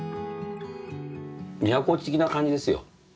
都落ち的な感じですよ。